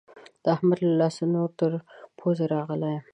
د احمد له لاسه نور تر پوزې راغلی يم.